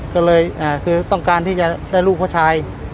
ก็เลยคือต้องการที่จะได้ลูกผู้ชาย